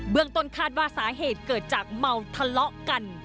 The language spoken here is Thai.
เมืองต้นคาดว่าสาเหตุเกิดจากเมาทะเลาะกัน